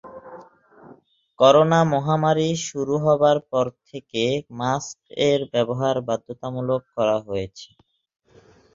Corona মহামারী শুরু হবার পর থেকে মাস্ক এর ব্যবহার বাধ্যতামূলক করা হয়েছে।